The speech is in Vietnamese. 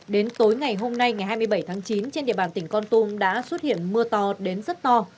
đến tối ngày hôm nay ngày hai mươi bảy tháng chín trên địa bàn tỉnh con tum đã xuất hiện mưa to đến rất to